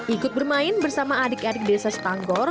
ikut bermain bersama adik adik desa stanggor